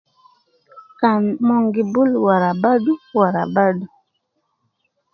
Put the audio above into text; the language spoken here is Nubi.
Kan mon gi bul wara badu wara badu